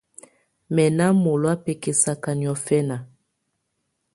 Mɛ̀ nà mɔ̀lɔ̀á bɛkɛsaka niɔ̀fɛna.